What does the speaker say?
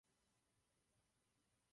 Další drobnější střety pak pokračovaly.